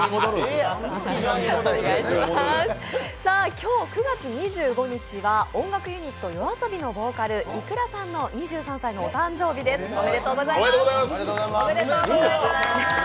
今日９月２５日は音楽ユニットＹＯＡＳＯＢＩのボーカル、ｉｋｕｒａさんの２３歳のお誕生日です、おめでとうございます。